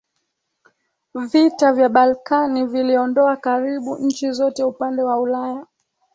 Vita vya Balkani viliondoa karibu nchi zote upande wa Ulaya